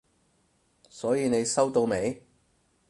所以你收到未？